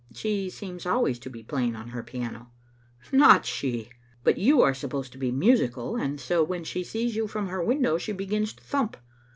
" She seems always to be playing on her piano." " Not she ; but you are supposed to be musical, and so when she sees you from her window she begins to thump.